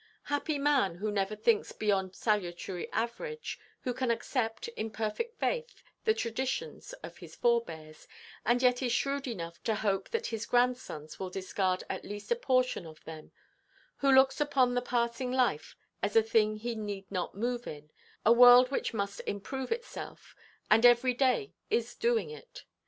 Happy man who never thinks beyond salutary average, who can accept, in perfect faith, the traditions of his forbears, and yet is shrewd enough to hope that his grandsons will discard at least a portion of them,—who looks upon the passing life as a thing he need not move in, a world which must improve itself, and every day is doing it.